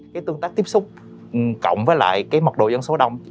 cái tương tác tiếp xúc cộng với lại cái mật độ dân số đông